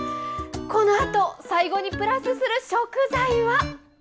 このあと、最後にプラスする食材は？